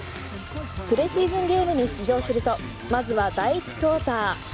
プレシーズンゲームに出場するとまずは第１クオーター。